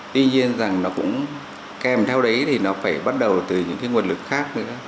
tuy nhiên rằng nó cũng kèm theo đấy thì nó phải bắt đầu từ những cái nguồn lực khác nữa